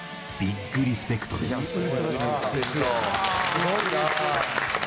すごいな！